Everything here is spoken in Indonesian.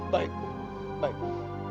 baik bu baik bu